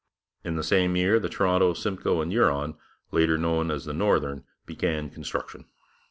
In the same year the Toronto, Simcoe and Huron, later known as the Northern, began construction.